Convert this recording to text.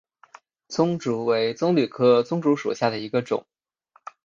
棕竹为棕榈科棕竹属下的一个种。